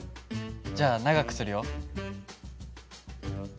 じゃあ長くするよ。